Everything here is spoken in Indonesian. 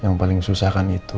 yang paling susah kan itu